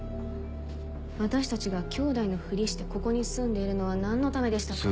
私たちが兄妹のふりしてここに住んでいるのは何のためでしたか？